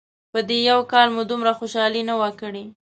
په دې یو کال مو دومره خوشحالي نه وه کړې.